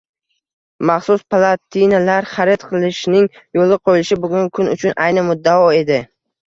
Maxsus platinilar xarid qilishing yoʻlga qoʻyilishi bugungi kun uchun ayni muddao edi.